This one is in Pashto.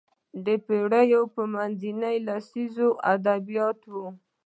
د پېړۍ منځ لسیزو ادبیات وو